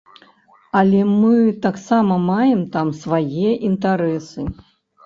Але мы таксама маем там свае інтарэсы.